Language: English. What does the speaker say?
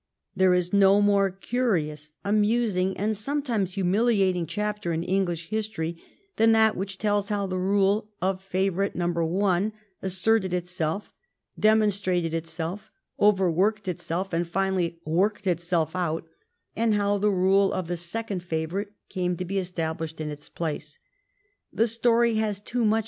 There is no more curious, amusing, and sometimes humiliating chapter in English history than that which tells how the rule of favorite number one asserted itself, demon strated itself, overworked itself, and finally worked itself out, and how the rule of the second favorite came to be established in its place. The story has too much